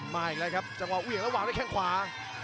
มาอีกแล้วครับจังหวะเหวี่ยงแล้ววางด้วยแข้งขวา